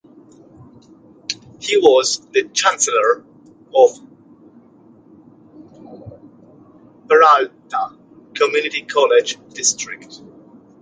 He was the Chancellor of Peralta Community College District.